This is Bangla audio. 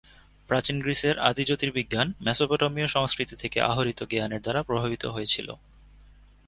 প্রাচীন গ্রিসের আদি জ্যোতির্বিজ্ঞান মেসোপটেমীয় সংস্কৃতি থেকে আহরিত জ্ঞানের দ্বারা প্রভাবিত হয়েছিল।